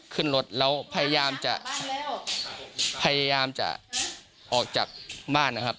ขึ้นรถแล้วพยายามจะพยายามจะออกจากบ้านนะครับ